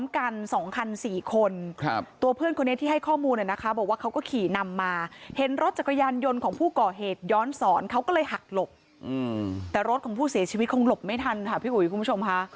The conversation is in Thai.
คงหลบไม่ทันค่ะพี่ผู้ชมค่ะ